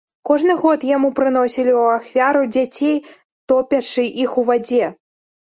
Кожны год яму прыносілі ў ахвяру дзяцей, топячы іх у вадзе.